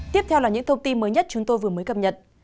tiếp theo là những thông tin mới nhất chúng tôi vừa mới cập nhật